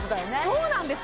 そうなんです